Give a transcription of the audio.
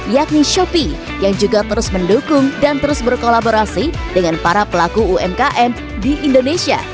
yakni shopee yang juga terus mendukung dan terus berkolaborasi dengan para pelaku umkm di indonesia